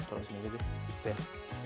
terusin aja dia gitu ya